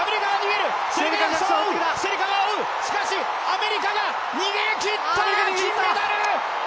アメリカが逃げ切った、金メダル！